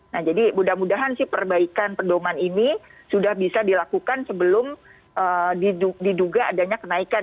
nah jadi mudah mudahan sih perbaikan pedoman ini sudah bisa dilakukan sebelum diduga adanya kenaikan